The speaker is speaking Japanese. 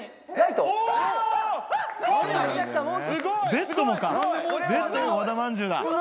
ベッドもかベッドも和田まんじゅうだ。